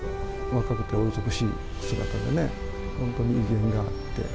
若くてお美しい姿でね、本当に威厳があって。